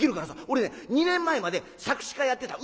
俺ね２年前まで作詞家やってた」。